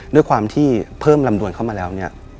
ด้วยความที่เพิ่มลำดวนเข้ามาแล้วเนี่ย